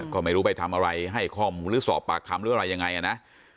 ก็ไม่รู้ไปทำอะไรให้ข้อมูลหรือสอบปากคำหรืออะไรยังไงนะ